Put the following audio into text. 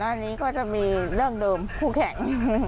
อันนี้ก็จะมีเรื่องเดิมคู่แข่ง